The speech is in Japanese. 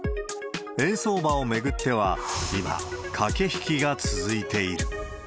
円相場を巡っては今、駆け引きが続いている。